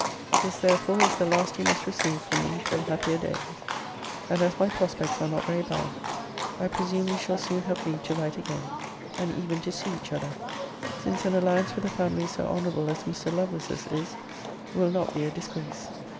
This, therefore, is the last you must receive from me, till happier days. And as my prospects are not very bad, I presume we shall soon have leave to write again; and even to see each other: since an alliance with a family so honourable as Mr. Lovelace's is will not be a disgrace.